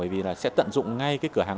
bởi vì sẽ tận dụng ngay cửa hàng